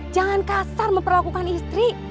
jangan kasar memperlakukan istri